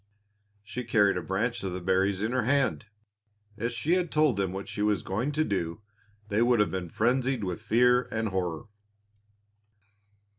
She carried a branch of the berries in her hand. If she had told them what she was going to do they would have been frenzied with fear and horror.